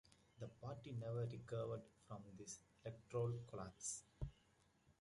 The party never recovered from this electoral collapse.